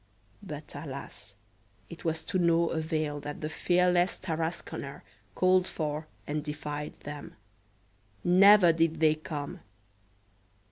But, alas!! it was to no avail that the fearless Tarasconer called for and defied them; never did they come.